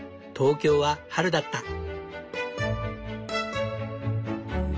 東京は春だった。